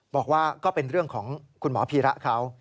บอกว่าก็เป็นเรื่องของคุณหมอพีระเขา